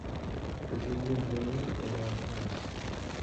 Eugenio Bruni est né en France.